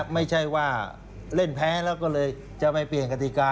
ไม่ใช่ว่าเล่นแพ้แล้วก็เลยจะไปเปลี่ยนกติกา